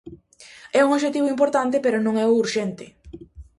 É un obxectivo importante pero non é o urxente.